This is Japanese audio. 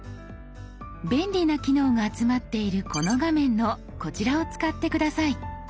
便利な機能が集まっているこの画面のこちらを使って下さい。